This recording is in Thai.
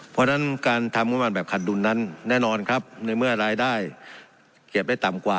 เพราะฉะนั้นการทำงบประมาณแบบขัดดุลนั้นแน่นอนครับในเมื่อรายได้เก็บได้ต่ำกว่า